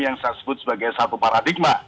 yang saya sebut sebagai satu paradigma